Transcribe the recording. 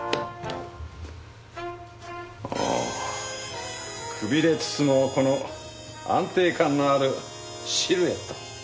おくびれつつもこの安定感のあるシルエット。